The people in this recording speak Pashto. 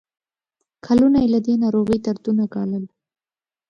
کلونه یې له دې ناروغۍ دردونه ګالل.